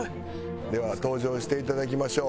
では登場していただきましょう。